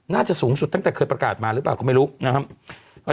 น่าจะสูงสุดตั้งแต่เคยประกาศมาหรือเปล่าก็ไม่รู้นะครับ